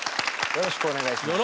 よろしくお願いします。